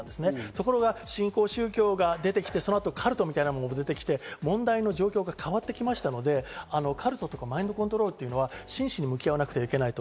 ところが新興宗教が出てきて、そのあとカルトみたいなものも出てきて、問題の状況が変わってきましたので、カルトとかマインドコントロールというのは真摯に向き合わなくちゃいけない。